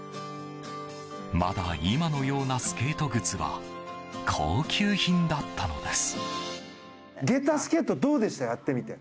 まだ、今のようなスケート靴は高級品だったのです。